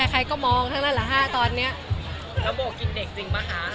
นะโบกินเด็กจริงมั้ยคะ